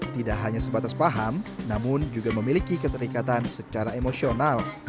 tidak hanya sebatas paham namun juga memiliki keterikatan secara emosional